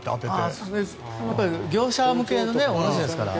業者向けの卸ですから。